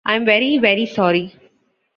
I am very, very sorry.